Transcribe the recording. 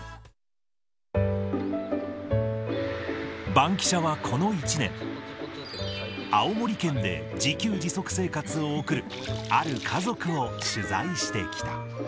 バンキシャはこの１年、青森県で自給自足生活を送るある家族を取材してきた。